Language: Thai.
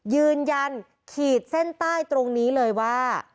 ยืนยันขีดเส้นใต้ตรงนี้เลยว่า